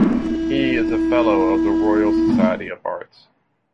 He is a Fellow of the Royal Society of Arts.